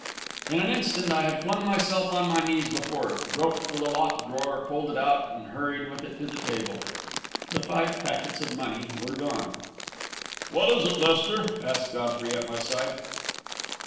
In an instant, I had flung myself on my knees before it, groped for the locked drawer, pulled it out, and hurried with it to the table. The five packets of money were gone. "What is it, Lester?" asked Godfrey, at my side.